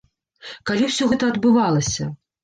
Калі ўсё гэта адбывалася?